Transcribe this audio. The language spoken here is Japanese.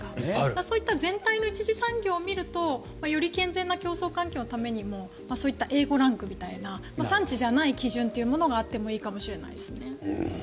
そういった全体の一次産業を見るとより健全な競争環境のためにもそういったＡ５ランクみたいな産地じゃない基準があってもいいかもしれないですね。